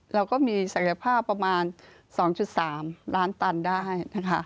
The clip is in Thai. เราก็มีศักยภาพประมาณ๒๓ล้านตันได้นะคะ